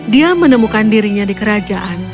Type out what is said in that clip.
dia menemukan dirinya di kerajaan